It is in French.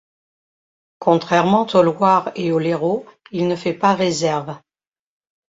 Contrairement aux loirs et aux lérots, il ne fait pas réserves.